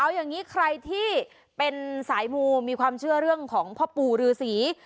เอาอย่างนี้ใครที่เป็นสายมูมีความเชื่อเรื่องของพ่อปู่ฤษี